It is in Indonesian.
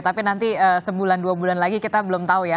tapi nanti sebulan dua bulan lagi kita belum tahu ya